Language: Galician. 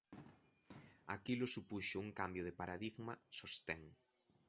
Aquilo supuxo un cambio de paradigma, sostén.